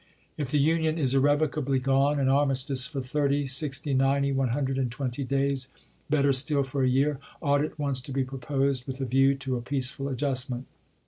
If the Union is irrevocably gone, an armistice for thirty, sixty, ninety, one hundred and twenty days — better still for a year — ought at once to be proposed, with a view to a peaceful adjustment.